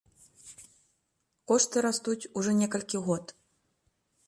Кошты растуць ужо некалькі год.